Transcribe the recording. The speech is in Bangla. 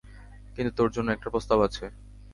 কিন্তু তোর জন্য একটা প্রস্তাব আছে।